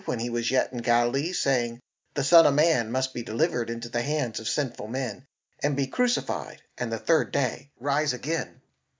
Remember How He spake unto you in Galilee, Saying: The Son of Man must be delivered Into the hands of sinful men; by them Be crucified, and the third day rise again!